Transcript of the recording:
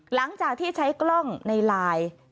หลังจากที่ใช้กล้องในไลน์